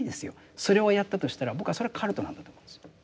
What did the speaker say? それをやったとしたら僕はそれはカルトなんだと思うんですよ。